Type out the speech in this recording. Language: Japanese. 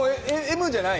Ｍじゃない。